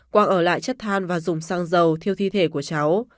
quang ở lại chất than và dùng xăng dầu thiêu thi thể của cháu